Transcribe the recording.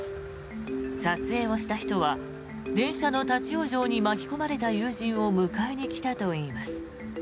撮影をした人は電車の立ち往生に巻き込まれた友人を迎えに来たといいます。